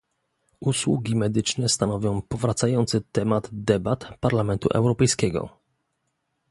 Usługi medyczne stanowią powracający temat debat Parlamentu Europejskiego